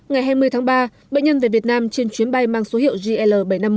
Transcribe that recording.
ngày hai mươi tháng ba bệnh nhân về việt nam trên chuyến bay mang số hiệu gl bảy trăm năm mươi một